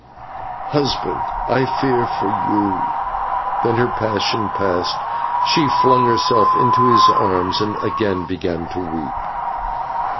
Husband, I fear for you " Then, her passion past, she flung herself into his arms and again began to weep.